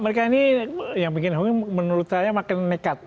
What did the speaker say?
mereka ini yang bikin home menurut saya makin nekat